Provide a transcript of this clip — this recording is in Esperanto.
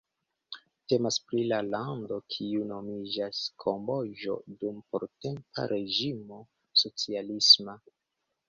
Temas pri la lando kiu nomiĝas Kamboĝo dum portempa reĝimo socialisma.